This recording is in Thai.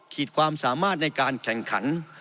ความสามารถในการแข่งขัน